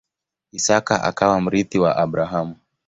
Isaka akawa mrithi wa Abrahamu.